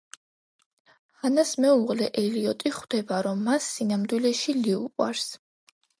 ჰანას მეუღლე ელიოტი ხვდება, რომ მას სინამდვილეში ლი უყვარს.